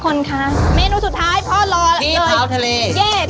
ปลาหมึกตามมาติด